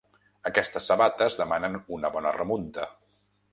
Aquestes sabates demanen una bona remunta.